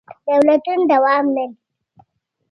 دولتونه دوام نه لري.